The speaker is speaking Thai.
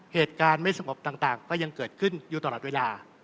เหตุการณ์ไม่สงบต่างก็ยังเกิดขึ้นอยู่ตลอดเวลา